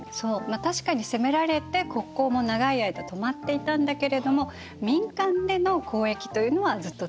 確かに攻められて国交も長い間止まっていたんだけれども民間での交易というのはずっと続けられていたの。